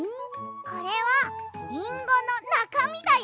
これはリンゴのなかみだよ！